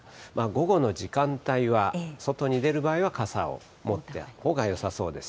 午後の時間帯は、外に出る場合は傘を持ったほうがよさそうです。